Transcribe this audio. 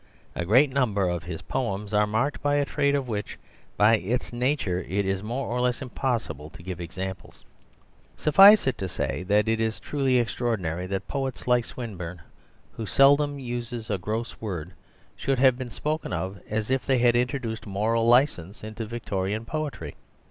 A great number of his poems are marked by a trait of which by its nature it is more or less impossible to give examples. Suffice it to say that it is truly extraordinary that poets like Swinburne (who seldom uses a gross word) should have been spoken of as if they had introduced moral license into Victorian poetry.